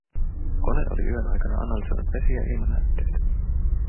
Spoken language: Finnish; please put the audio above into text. Kone oli yön aikana analysoinut vesi- ja ilmanäytteet.